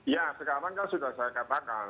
ya sekarang kan sudah saya katakan